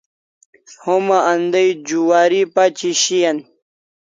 Homa andai juari pachi shian